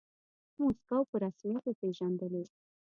موسکو په رسميت وپیژندلې.